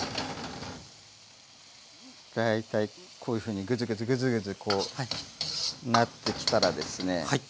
大体こういうふうにグツグツグツグツこうなってきたらですね